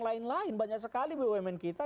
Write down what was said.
lain lain banyak sekali bumn kita